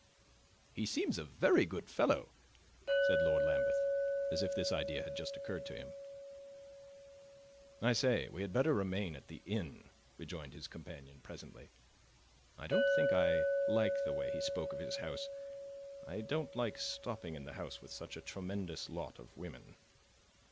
"He seems a very good fellow," said Lord Lambeth, as if this idea had just occurred to him. "I say, we had better remain at the inn," rejoined his companion presently. "I don't think I like the way he spoke of his house. I don't like stopping in the house with such a tremendous lot of women."